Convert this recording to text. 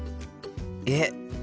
えっ？